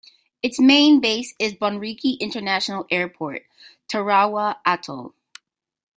Its main base is Bonriki International Airport, Tarawa Atoll.